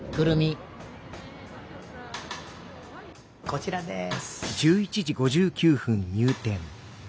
こちらです。